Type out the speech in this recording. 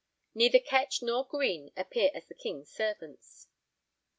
Neither Kech nor Grene appear as the King's servants.